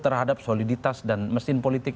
terhadap soliditas dan mesin politik